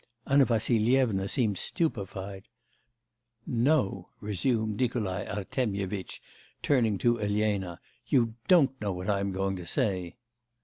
Anna Vassilyevna seemed stupefied. 'No,' resumed Nikolai Artemyevitch, turning to Elena, 'you don't know what I am going to say!